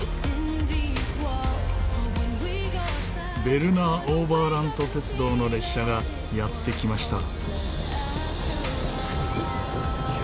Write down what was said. ベルナーオーバーラント鉄道の列車がやって来ました。